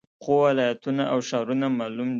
خو ولایتونه او ښارونه معلوم دي